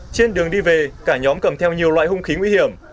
trên đường đi về cả nhóm cầm theo nhiều loại hung khí nguy hiểm